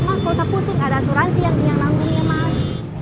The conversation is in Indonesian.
mas ga usah pusing ada asuransi yang senyangan duitnya mas